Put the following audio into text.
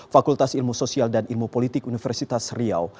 fakultas ilmu sosial dan ilmu politik universitas riau